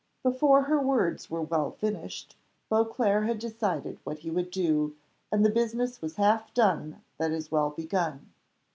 '" Before her words were well finished, Beauclerc had decided what he would do, and the business was half done that is well begun.